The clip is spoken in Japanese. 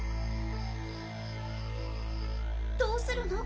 どうするの？